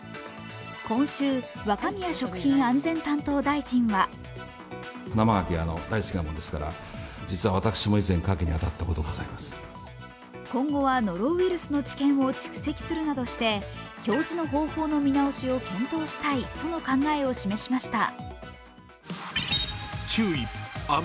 今週、若宮食品安全担当大臣は今後はノロウイルスの知見を蓄積するなどして表示の方法の見直しを検討したいとの考えを示しました。